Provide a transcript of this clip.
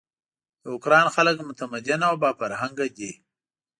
د اوکراین خلک متمدن او با فرهنګه دي.